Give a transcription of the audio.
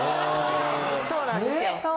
そうなんですよ。